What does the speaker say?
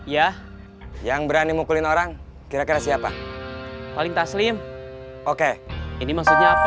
ya yang berani mukulin orang kira kira siapa paling taslim oke ini maksudnya apa